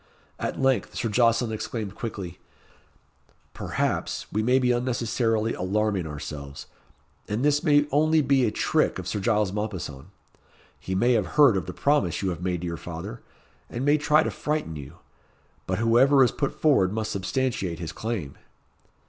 At length Sir Jocelyn exclaimed quickly, "Perhaps, we may be unnecessarily alarming ourselves, and this may only be a trick of Sir Giles Mompesson. He may have heard of the promise you have made to your father, and may try to frighten you. But whoever is put forward must substantiate his claim."